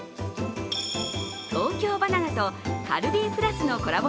東京ばな奈とカルビープラスのコラボ